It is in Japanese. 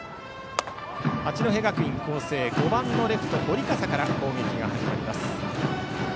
八戸学院光星５番レフト、織笠から攻撃が始まります。